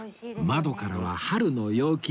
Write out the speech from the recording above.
窓からは春の陽気